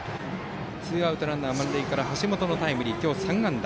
ツーアウトランナー満塁から橋本のタイムリーなど３安打。